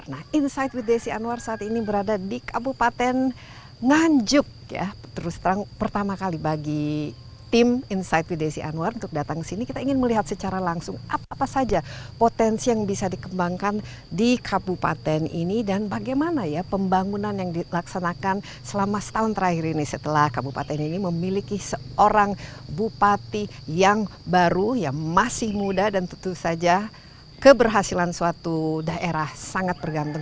nah insight with desi anwar saat ini berada di kabupaten nganjuk ya terus terang pertama kali bagi tim insight with desi anwar untuk datang sini kita ingin melihat secara langsung apa apa saja potensi yang bisa dikembangkan di kabupaten ini dan bagaimana ya pembangunan yang dilaksanakan selama setahun terakhir ini setelah kabupaten ini memiliki seorang bupati yang baru yang masih muda dan tentu saja keberhasilan suatu daerah sangat bergantung